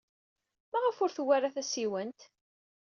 Maɣef ur tewwi ara tasiwant?